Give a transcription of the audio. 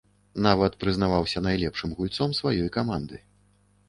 Нават прызнаваўся найлепшым гульцом сваёй каманды.